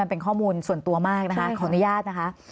เป็นข้อมูลส่วนตัวมากนะคะขออนุญาตนะคะ